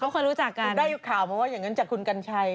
เคยรู้จักกันได้ข่าวมาว่าอย่างนั้นจากคุณกัญชัย